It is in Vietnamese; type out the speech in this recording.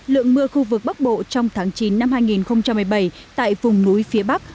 lượng mưa khu vực bắc bộ trong tháng chín năm hai nghìn một mươi bảy tại vùng núi phía bắc